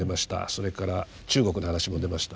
それから中国の話も出ました。